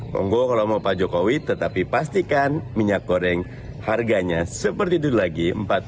kongo kalau mau pak jokowi tetapi pastikan minyak goreng harganya seperti itu lagi